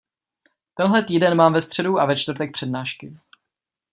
Tenhle týden mám ve středu a ve čtvrtek přednášky.